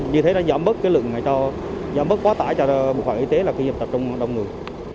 như thế nó giảm bớt cái lượng này cho giảm bớt quá tải cho bộ phận y tế là khi nhập tập trong đông người